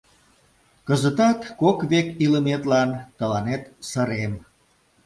Кызытат кок век илыметлан тыланет сырем.